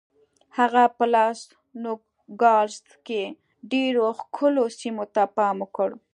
هغه په لاس نوګالس کې ډېرو ښکلو سیمو ته پام وکړ.